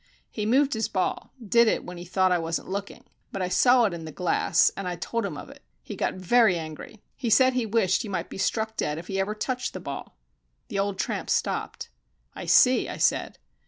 He moved his ball did it when he thought I wasn't looking. But I saw it in the glass, and I told him of it. He got very angry. He said he wished he might be struck dead if he ever touched the ball." The old tramp stopped. "I see," I said.